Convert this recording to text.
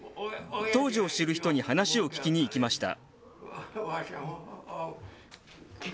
当時を知る人に話を聞きに行きました。